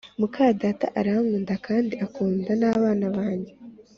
Mukadata arankunda kandi akunda nababa banjye